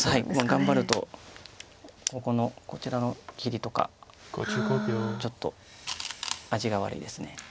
頑張るとこちらの切りとかちょっと味が悪いです。